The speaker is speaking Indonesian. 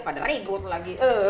pada ribut lagi